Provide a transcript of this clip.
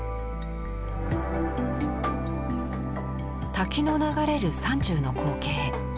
滝の流れる山中の光景。